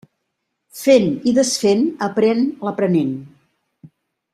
Fent i desfent, aprén l'aprenent.